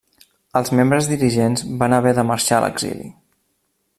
Els membres dirigents van haver de marxar a l'exili.